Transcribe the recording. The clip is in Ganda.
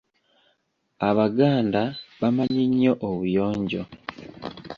Abaganda bamanyi nnyo obuyonjo.